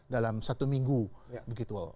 dalam satu minggu begitu